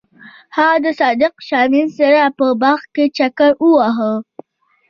هغوی د صادق شمیم سره په باغ کې چکر وواهه.